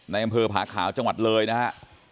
อำเภอผาขาวจังหวัดเลยนะฮะ